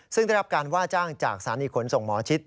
ซึ่งได้รับการว่าจ้างจากสถานีขนส่งหมอชิด